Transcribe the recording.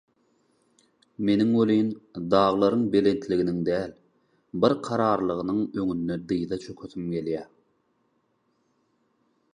Meniň welin daglaryň belentliginiň däl, bir kararlylygynyň öňünde dyza çökesim gelýär.